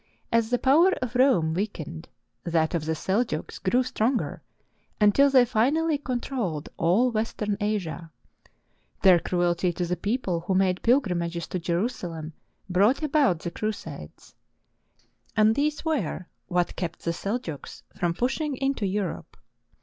As the power of Rome weakened, that of the Seljuks grew stronger until they finally controlled all Western Asia. Their cruelty to the people who made pilgrimages to Jerusalem brought about the crusades; and these were what kept the Seljuks from pushing into Europe.